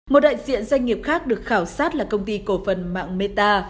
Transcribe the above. một đại diện doanh nghiệp khác được khảo sát là công ty cổ phần mạng meta